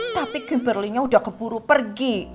tapi kimberlynya udah keburu pergi